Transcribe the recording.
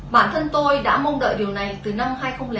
bản thân tôi đã mong đợi điều này từ năm hai nghìn hai hai nghìn ba